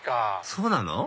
そうなの？